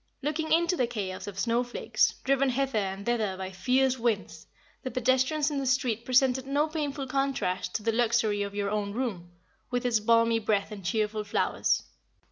Looking into the chaos of snow flakes, driven hither and thither by fierce winds, the pedestrians in the street presented no painful contrast to the luxury of your own room, with its balmy breath and cheerful flowers.